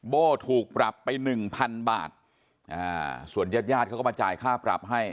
โบ้ถูกปรับไปหนึ่งพันบาทอ่าส่วนญาติญาติเขาก็มาจ่ายค่าปรับให้